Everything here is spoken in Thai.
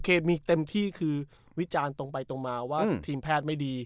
เคมีเต็มที่คือวิจารณ์ตรงไปตรงมาว่าทีมแพทย์ไม่ดี